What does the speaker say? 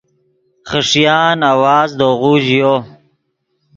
خݰیان آواز دے غو ژیو